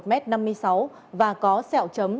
một m năm mươi sáu và có xẻo trấm